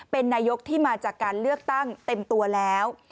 เป็นนายกที่มาจากการเลือกตั้งเต็มตัวแล้ว